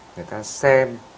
người ta xem